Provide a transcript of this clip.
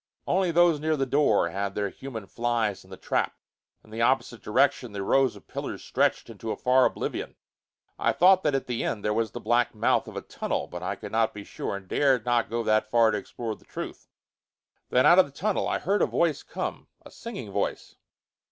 Only those near the door had their human flies in the trap. In the opposite direction the rows of pillars stretched into a far oblivion. I thought that at the end there was the black mouth of a tunnel, but I could not be sure and dared not go that far to explore the truth. Then, out of that tunnel, I heard a voice come, a singing voice.